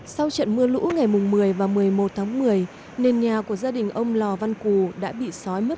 sau trận mưa lũ ngày một mươi và một mươi một tháng một mươi nền nhà của gia đình ông lò văn cù đã bị sói mất